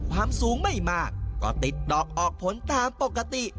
ความสูงไม่มากก็ติดดอกออกผลตามปกติ